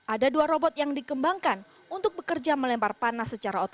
ada dua robot yang dikembangkan untuk bekerja melempar panas secara otomatis